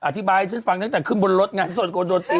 โอ้โฮอธิบายให้ฉันฟังตั้งแต่ขึ้นบนรถงานสนโกนโดนตี